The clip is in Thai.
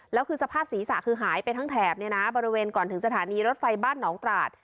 แล้วคือสภาพศีรษะคือหายไปทั้งแถบเนี่ยนะบริเวณก่อนถึงสถานีรถไฟบ้านหนองตราด